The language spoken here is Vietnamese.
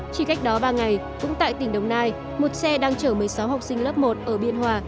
chỉ cách đó ba ngày cũng tại tỉnh đồng nai một xe đang chở một mươi sáu học sinh lớp một ở biên hòa